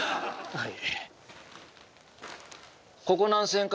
はい。